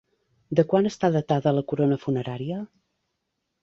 De quan està datada la corona funerària?